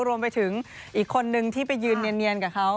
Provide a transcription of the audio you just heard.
รวมไปถึงอีกคนนึงที่ไปยืนเนียนกับเขา